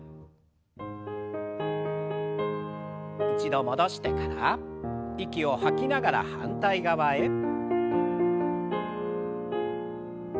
一度戻してから息を吐きながら反対側へ。